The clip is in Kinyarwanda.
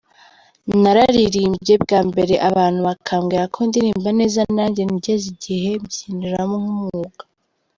Nararirimbye bwa mbere abantu bakambwira ko ndirimba neza nanjye ngeze igihe mbyinjiramo nk’umwuga.